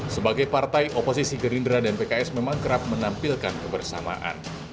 sebagai partai oposisi gerindra dan pks memang kerap menampilkan kebersamaan